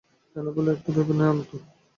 এলা বললে, একটুও ভেবো না অন্তু।